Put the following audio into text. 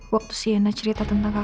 waktu sienna cerita tentang kakaknya